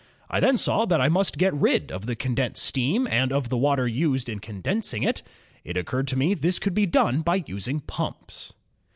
I then saw that I must get rid of the condensed steam and of the water used in condensing it. It occurred to me this could be done by using pumps.